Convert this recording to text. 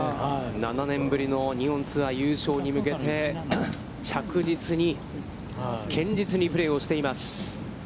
７年ぶりの日本ツアー優勝に向けて着実に、堅実にプレーをしています。